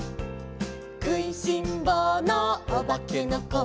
「くいしんぼうのおばけのこ」